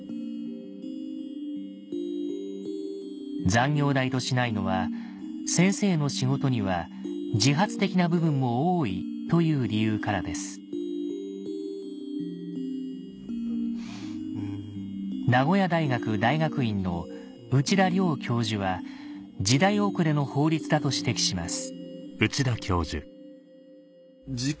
残業代としないのは先生の仕事には自発的な部分も多いという理由からですは時代遅れの法律だと指摘します